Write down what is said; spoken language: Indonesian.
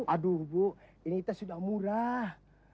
aduh bu ini kita sudah murah